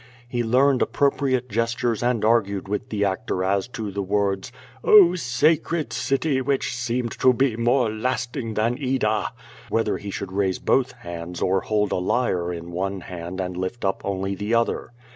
He learned Ap])ropriate gestures and argued with the actor as to the words "Oh sacred city which seemed to be more lasting than Ida," whether he should raise both hands or hold a 13're in one hand and lift up only the other.